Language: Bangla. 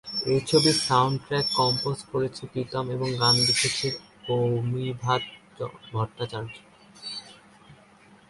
এই ছবির সাউণ্ড-ট্রেকটি কম্পোজ করেছেন প্রীতম এবং গান লিখেছেন অমিতাভ ভট্টাচার্য।